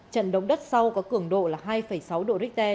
trận động đất sau có cường độ là hai sáu độ richter